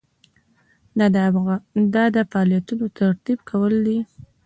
دا د فعالیتونو ترتیب کول دي.